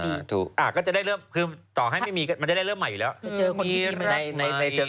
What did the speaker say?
ดูนหนักขึ้นแต่ปีที่ผ่านมาเนี่ยอย่างที่ผ่านไปนี่